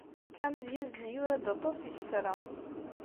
Amedyaz-nni yura-d aṭas n yisefra.